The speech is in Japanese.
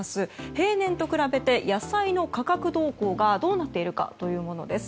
平年と比べて野菜の価格動向がどうなっているかというものです。